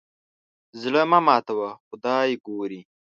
زړه مه ماتوه خدای ګوري.